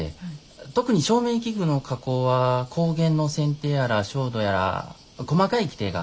特に照明器具の加工は光源の選定やら照度やら細かい規定があるんです。